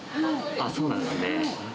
そうなんですね。